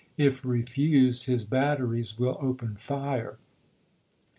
If refused, his batteries will open fii e."